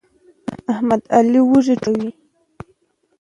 احمد د علي وږي ټولوي.